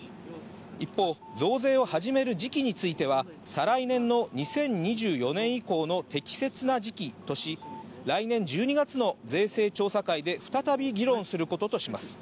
一方、増税を始める時期については、再来年の２０２４年以降の適切な時期とし、来年１２月の税制調査会で、再び議論することとします。